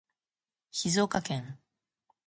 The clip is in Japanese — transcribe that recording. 静岡県